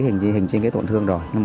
hình trên cái tổn thương rồi